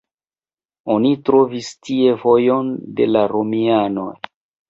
Oni trovis tie vojon de la romianoj.